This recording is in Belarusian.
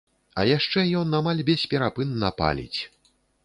А яшчэ ён амаль бесперапынна паліць.